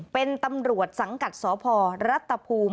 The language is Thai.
เป็นตำรวจสังกัดสพรัฐภูมิ